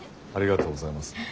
ありがとうございます。